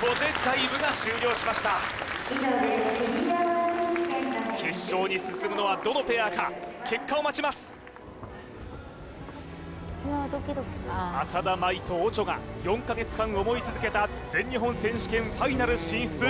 ここでジャイブが終了しました決勝に進むのはどのペアか結果を待ちます浅田舞とオチョが４か月間思い続けた全日本選手権ファイナル進出